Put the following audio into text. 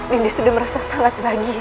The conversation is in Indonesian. dinda sudah merasa sangat bahagia